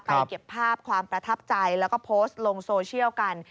เก็บภาพความประทับใจแล้วก็โพสต์ลงโซเชียลกัน